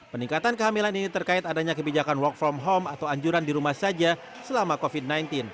peningkatan kehamilan ini terkait adanya kebijakan work from home atau anjuran di rumah saja selama covid sembilan belas